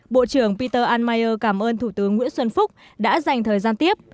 bộ trưởng peter anmeier cảm ơn thủ tướng nguyễn xuân phúc đã dành thời gian tiếp